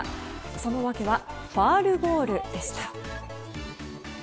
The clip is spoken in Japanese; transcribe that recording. その訳はファウルボールでした。